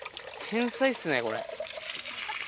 天才っすねこれ。